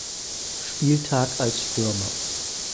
Spieltag als Stürmer.